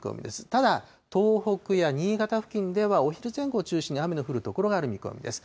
ただ、東北や新潟付近では、お昼前後を中心に、雨の降る所がある見込みです。